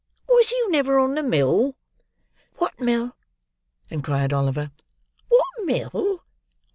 Was you never on the mill?" "What mill?" inquired Oliver. "What mill!